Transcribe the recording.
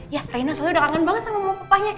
ya reina soalnya udah kangen banget sama mau pepahnya